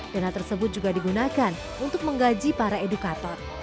dana tersebut juga digunakan untuk menggaji para edukator